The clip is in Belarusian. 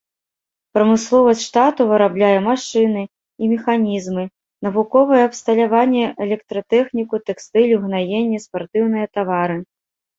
Прамысловасць штату вырабляе машыны і механізмы, навуковае абсталяванне, электратэхніку, тэкстыль, угнаенні, спартыўныя тавары.